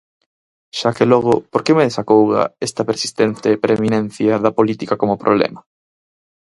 Xa que logo, por que me desacouga esta persistente preeminencia da política como problema?